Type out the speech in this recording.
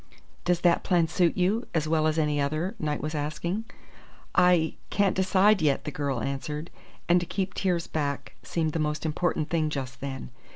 "Does that plan suit you as well as any other?" Knight was asking. "I can't decide yet," the girl answered; and to keep tears back seemed the most important thing just then.